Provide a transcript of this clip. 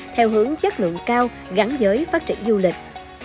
theo hướng chất lượng cao gắn với phát triển du lịch